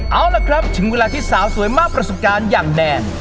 เอาล่ะครับถึงเวลาที่สาวสวยมากประสบการณ์อย่างแดน